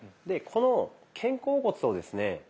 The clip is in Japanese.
でこの肩甲骨をですね